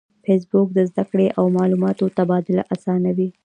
فېسبوک د زده کړې او معلوماتو تبادله آسانوي